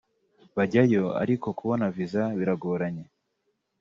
bajyayo ariko kubona viza biragoranye